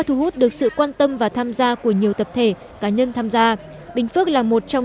thu hút được sự quan tâm và tham gia của nhiều tập thể cá nhân tham gia bình phước là một trong